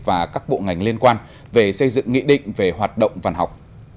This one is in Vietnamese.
và các bộ ngành liên quan về xây dựng nghị định về hoạt động văn học